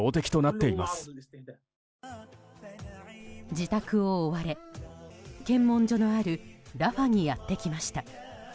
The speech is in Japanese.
自宅を追われ検問所のあるラファにやってきました。